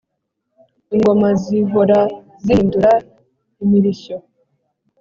Ingoma zihora zihindura imirishyo